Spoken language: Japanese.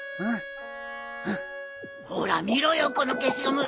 ほら見ろよこの消しゴム。